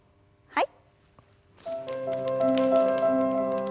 はい。